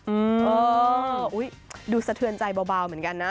เออดูสะเทือนใจเบาเหมือนกันนะ